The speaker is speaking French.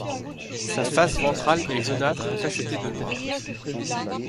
Sa face ventrale est jaunâtre tacheté de noir.